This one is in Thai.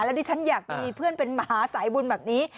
ดิฉันอยากมีเพื่อนเป็นมหาสายบุญแบบนี้